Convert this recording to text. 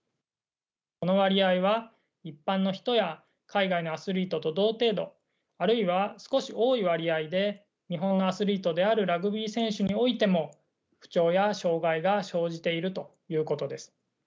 この割合は一般の人や海外のアスリートと同程度あるいは少し多い割合で日本のアスリートであるラグビー選手においても不調や障害が生じているということです。